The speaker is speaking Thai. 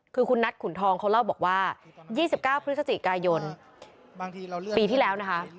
คือคุณนัทขุนทองเขาเล่าบอกว่า๒๙พฤศจิกายนปีที่แล้วนะคะ